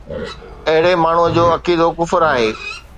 اهڙي ماڻهوءَ جو عقيدو ڪفر آهي